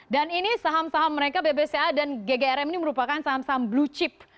dan ini saham saham mereka bbca dan ggrm ini merupakan saham saham blue chip